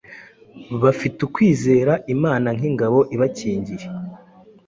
Bafite ukwizera Imana nk’ingabo ibakingira